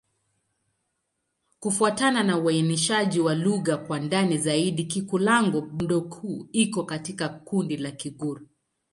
Kufuatana na uainishaji wa lugha kwa ndani zaidi, Kikulango-Bondoukou iko katika kundi la Kigur.